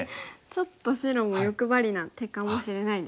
ちょっと白も欲張りな手かもしれないですね。